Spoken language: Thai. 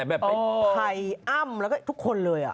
ภายอ้ำแล้วก็ทุกคนเลย